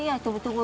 iya itu buat makan